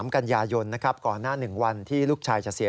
ก็บอกว่า